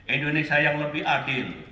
indonesia yang lebih adil